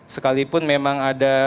sekalipun memang ada